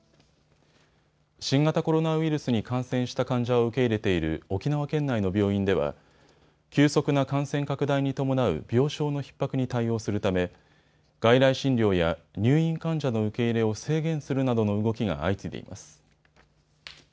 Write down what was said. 新型コロナウイルスに感染した患者を受け入れている沖縄県内の病院では急速な感染拡大に伴う病床のひっ迫に対応するため外来診療や入院患者の受け入れを制限するなどの動きが相次いでいます。